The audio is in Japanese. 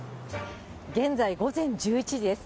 現在、午前１１時です。